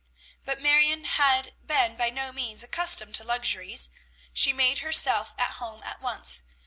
But Marion had been by no means accustomed to luxuries. She made herself at home at once.